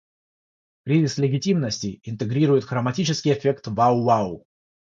Кризис легитимности интегрирует хроматический эффект "вау-вау".